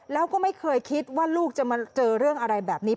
แล้วก็ไม่เคยคิดว่าลูกจะมาเจอเรื่องอะไรแบบนี้